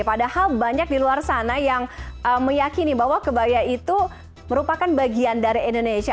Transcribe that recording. padahal banyak di luar sana yang meyakini bahwa kebaya itu merupakan bagian dari indonesia